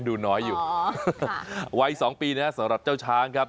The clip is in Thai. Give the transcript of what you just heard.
ดีสองปีนี้นะครับสหรับเจ้าช้างครับ